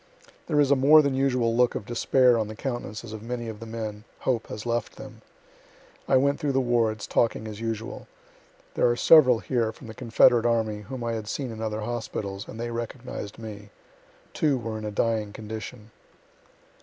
There is a more than usual look of despair on the countenances of many of the men; hope has left them. I went through the wards, talking as usual. There are several here from the confederate army whom I had seen in other hospitals, and they recognized me. Two were in a dying condition.